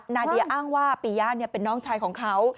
นาเดียอ้างว่าปียะเป็นน้องชายของเขา